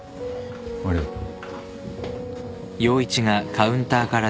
ありがとう。